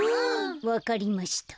わかりました。